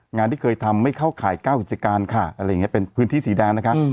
งานที่เคยทำไม่เข้าข่าย๙กิจการค่ะอะไรอย่างนี้เป็นพื้นที่สีแดงนะคะ